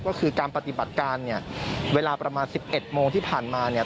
ก็คือการปฏิบัติการเนี่ยเวลาประมาณ๑๑โมงที่ผ่านมาเนี่ย